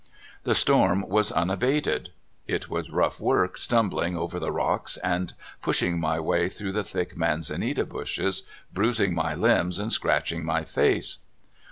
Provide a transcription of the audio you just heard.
The storm was unabated. It was rough work stumbling over the rocks and pushing my way through the thick manzanita bushes, bruising my limbs and scratch ing my face.